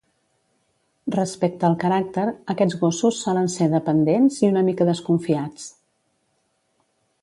Respecte al caràcter, aquests gossos solen ser dependents i una mica desconfiats.